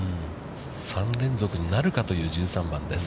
３連続になるかという１３番です。